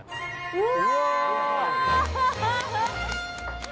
うわ！